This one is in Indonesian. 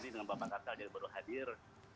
dengan bapak karsal yang baru hadir